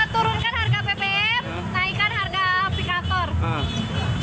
turunkan harga bbm naikkan harga aplikator